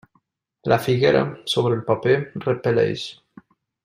La figuera, sobre el paper, repel·leix.